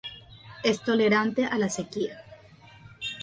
Es tolerante a la sequía.